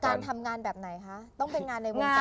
การทำงานแบบไหนคะต้องเป็นงานในวงการ